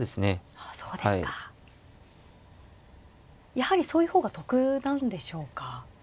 やはりそういう方が得なんでしょうか。